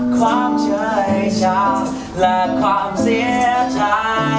ความเจ๋ยชาและความเสียใจ